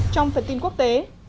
trong phần tin quốc tế